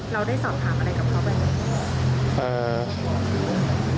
เราได้สอบถามอะไรกับเขาไปไหม